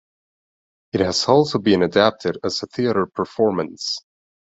It has also been adapted as a theatre performance.